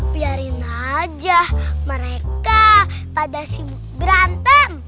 biarin aja mereka pada berantem